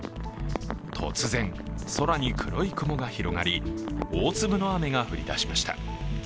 突然、空に黒い雲が広がり、大粒の雨が降りだしました。